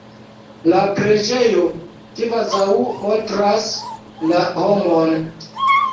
La preĝejo kvazaŭ montras la homon.